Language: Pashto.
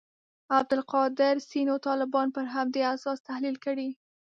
عبدالقادر سینو طالبان پر همدې اساس تحلیل کړي.